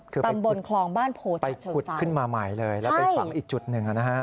คือไปขุดขึ้นมาใหม่เลยแล้วไปฝังอีกจุดหนึ่งนะฮะ